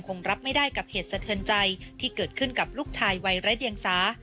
รับไม่ได้กับเหตุสะเทินใจที่เกิดขึ้นกับลูกชายวัยไร้เดียงสา